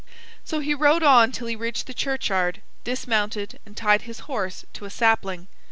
So he rode on till he reached the churchyard, dismounted, and tied his horse to a sapling.